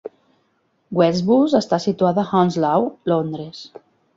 Westbus està situada a Hounslow, Londres.